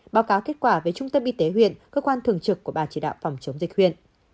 báo cáo kết quả với trung tâm y tế huyện cơ quan thường trực của bà chỉ đạo phòng chống dịch huyện